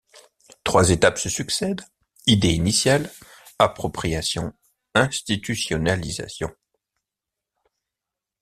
Trois étapes se succèdent: idée initiale, appropriation, institutionnalisation.